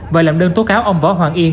và làm đơn tố cáo ông võ hoàng yên